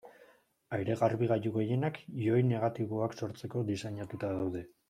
Aire-garbigailu gehienak ioi negatiboak sortzeko diseinatuta daude.